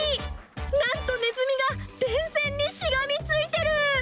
なんとネズミが電線にしがみついてる。